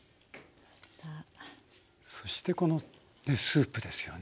そしてこのスープですよね。